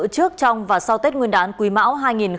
trước trong và sau tết nguyên đán quý mão hai nghìn hai mươi